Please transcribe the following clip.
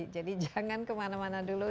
jangan kemana mana dulu